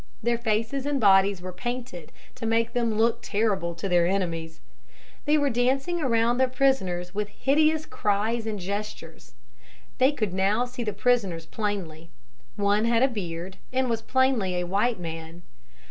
Their faces and bodies were painted to make them look terrible to their enemies. They were dancing around their prisoners with hideous cries and gestures. They could now see the prisoners plainly. One had a beard and was plainly a white man.